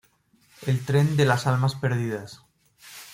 El Tren de las Almas Perdidas